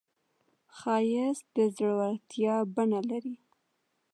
ښایست د زړورتیا بڼه لري